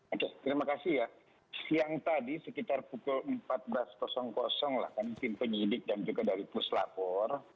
oke terima kasih ya siang tadi sekitar pukul empat belas lah kan tim penyidik dan juga dari puslapor